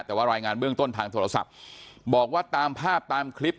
แต่ว่ารายงานเบื้องต้นทางโทรศัพท์บอกว่าตามภาพตามคลิป